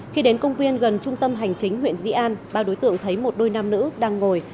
khi đến công viên gần trung tâm hành chính huyện di an ba đối tượng thấy một đôi nam nữ đang ngồi